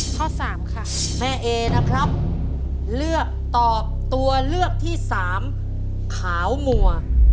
ข้อสามค่ะแม่เอนะครับเลือกตอบตัวเลือกที่สามขาวงัว